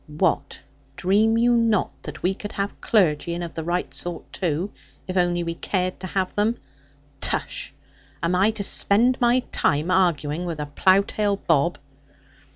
What, dream you not that we could have clergy, and of the right sort, too, if only we cared to have them? Tush! Am I to spend my time arguing with a plough tail Bob?'